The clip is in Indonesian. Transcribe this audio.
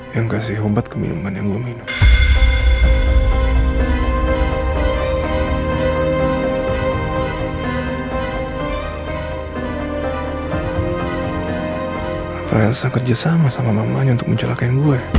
yang kasih obat kemilikan